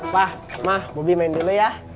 pak mak bobby main dulu ya